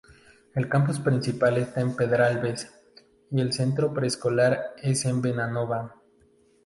El campus principal está en Pedralbes, y el centro pre-escolar es en Bonanova.